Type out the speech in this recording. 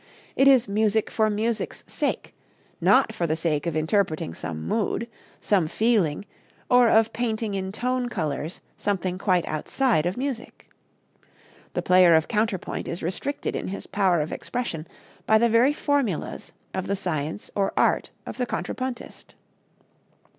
It is music for music's sake, not for the sake of interpreting some mood, some feeling, or of painting in tone colors something quite outside of music. The player of counterpoint is restricted in his power of expression by the very formulas of the science or art of the contrapuntist.